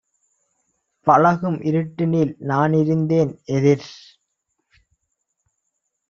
பழகும் இருட்டினில் நானிருந்தேன் எதிர்